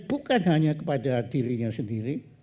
bukan hanya kepada dirinya sendiri